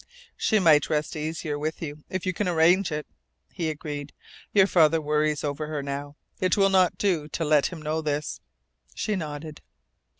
"She might rest easier with you if you can arrange it," he agreed. "Your father worries over her now. It will not do to let him know this." She nodded.